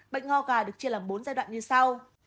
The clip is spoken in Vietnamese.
bệnh ngo gà được chia làm bốn giai đoạn như sau